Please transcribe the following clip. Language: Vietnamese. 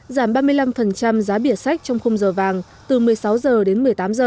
giảm ba mươi năm giá bìa sách trong khung giờ vàng từ một mươi sáu h đến một mươi tám h